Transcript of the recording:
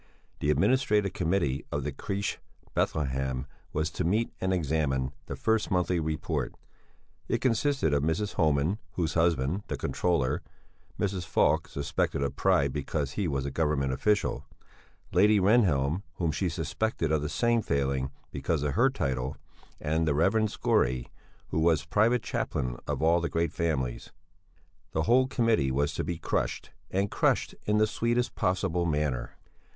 The Administrative Committee of the Crèche "Bethlehem" was to meet and examine the first monthly report; it consisted of Mrs. Homan, whose husband, the controller, Mrs. Falk suspected of pride because he was a Government official; Lady Rehnhjelm whom she suspected of the same failing because of her title, and the Rev. Skore, who was private chaplain of all the great families. The whole committee was to be crushed and crushed in the sweetest possible manner.